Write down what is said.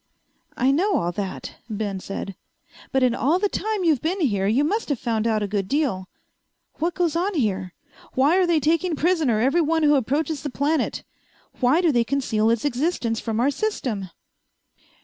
"I know all that," Ben said. "But in all the time you've been here you must have found out a good deal. What goes on here? Why are they taking prisoner every one who approaches the planet? Why do they conceal its existence from our system?"